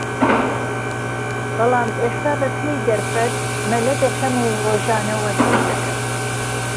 بەڵام ئێستا بە پێی دەرفەت مەلە دەکەم و رۆژانە وەرزش دەکەم